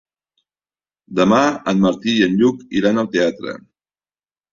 Demà en Martí i en Lluc iran al teatre.